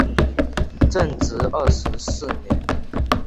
至正二十四年。